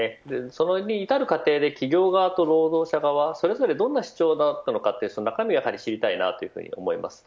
そこに至る過程で企業側と労働者側でそれぞれどんな主張だったのか中身が知りたいと思います。